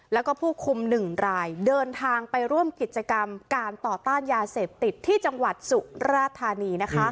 แล้วก็ผู้คุมหนึ่งรายเดินทางไปร่วมกิจกรรมการต่อต้านยาเสพติดที่จังหวัดสุราธานี